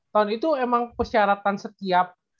tahun itu emang persyaratan setelah itu